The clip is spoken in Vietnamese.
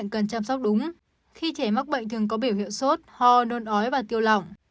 khi trẻ mắc bệnh thường có biểu hiệu sốt ho nôn ói và tiêu lỏng